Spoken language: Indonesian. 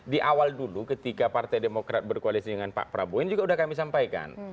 di awal dulu ketika partai demokrat berkoalisi dengan pak prabowo ini juga sudah kami sampaikan